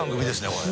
これ。